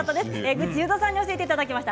グッチ裕三さんに教えていただきました。